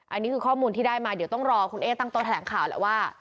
อันนี้คือข้อมูลที่ได้มาเดี๋ยวต้องรอคุณเอ๊ตั้งโต๊แถลงข่าวแหละว่า